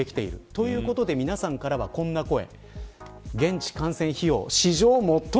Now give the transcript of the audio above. ということで皆さんからは、こんな声。